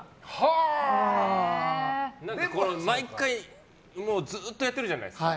毎回ずっとやってるじゃないですか。